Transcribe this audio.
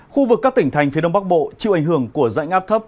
khu vực các tỉnh thành phía đông bắc bộ chịu ảnh hưởng của dạnh áp thấp